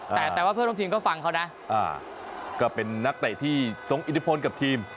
แต่ว่าเพื่อนร่วมทีมก็ฟังเขานะก็เป็นนักเตะที่ทรงอิทธิพลกับทีม